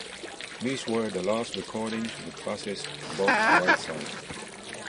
These were the last recordings with bassist Bob Whiteside.